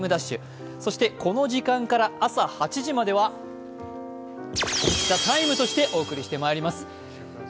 そしてこの時間から朝８時までは「ＴＨＥＴＩＭＥ，」としてお送りしてまぽたます。